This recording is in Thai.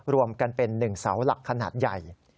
รวมกันเป็น๑เสาหลักขนาดใหญ่